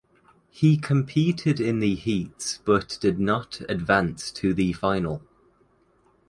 He competed in the heats but did not advance to the final.